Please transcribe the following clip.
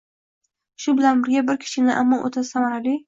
Shu bilan birga, biz kichkina, ammo o‘ta samarali